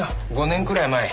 ５年くらい前。